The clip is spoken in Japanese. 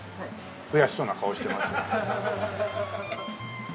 悔しそうな顔してますよ。